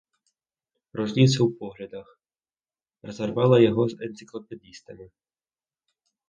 Розніца ў поглядах, разарвала яго з энцыклапедыстамі.